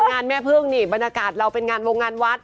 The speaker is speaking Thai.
งานแม่เพลิงนี่บรรกาศเราเป็นงานวงงานวัด